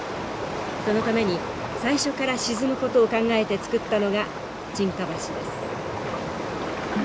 そのために最初から沈むことを考えて造ったのが沈下橋です。